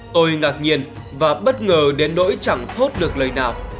tôi ngạc nhiên và bất ngờ đến nỗi chẳng thốt được lời nào